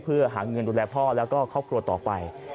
เพื่อหาเงินดูแลพ่อแล้วก็ครอบครัวต่อไป